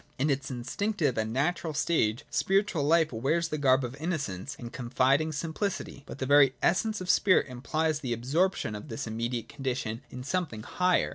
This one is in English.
In its instinctive andjl natural stage, spiritual life wears the garb of innocence and confiding simplicity : but the very essence of spirit impUes the absorption of this immediate condition in something higher.